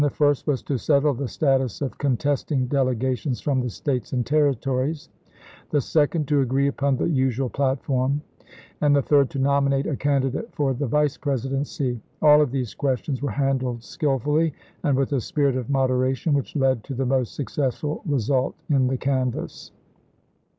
The first was to settle the statns of con testing delegations from the States and Territories ; the second, to agree npon the usnal platform ; and the third, to nominate a candidate for the Vice Presidency. All of these questions were handled skillfully, and with a spirit of moderation which led to the most successful result in the canvass.